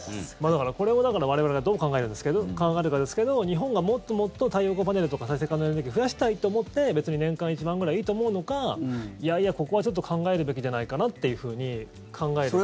だから、これを我々はどう考えるかですけど日本がもっともっと太陽光パネルとか再生可能エネルギーを増やしたいと思って別に年間１万円くらいいいと思うのかいやいや、ここはちょっと考えるべきじゃないかなというふうに考える。